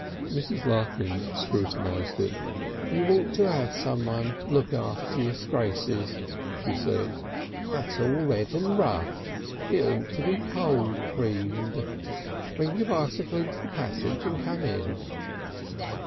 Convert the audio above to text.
Mrs. Larkins scrutinised it. "You ought to 'ave someone look after your scrases," she said. "That's all red and rough. It ought to be cold creamed. Bring your bicycle into the passage and come in."